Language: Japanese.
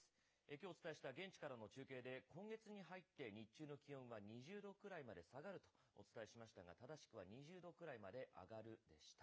きょうお伝えした現地からの中継で、今月に入って、日中の気温は２０度くらいまで下がるとお伝えしましたが、正しくは２０度くらいまで上がるでした。